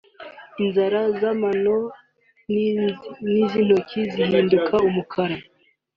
Inzara z’amano n’iz’intoki zihinduka umukara